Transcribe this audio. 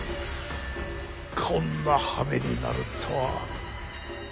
こんなはめになるとは。